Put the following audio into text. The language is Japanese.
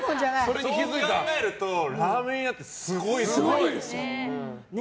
そう考えるとラーメン屋ってすごいですよね。